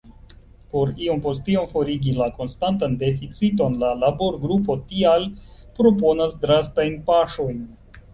Por iom post iom forigi la konstantan deficiton la laborgrupo tial proponas drastajn paŝojn.